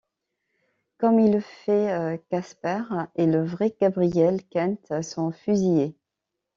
Comme il le fait, Casper et le vrai Gabriel Kent sont fusillés.